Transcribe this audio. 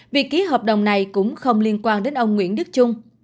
việc ký hợp đồng này cũng không liên quan đến ông nguyễn đức trung